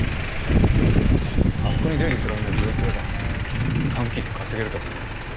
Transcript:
あそこに出入りする女利用すれば短期で稼げると思って。